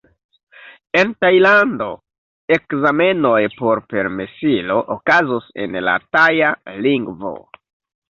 En Tajlando, ekzamenoj por permesilo okazos en la Taja lingvo.